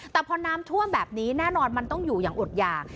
แต่พอน้ำท่วมแบบนี้แน่นอนมันต้องอยู่อย่างอดอย่าง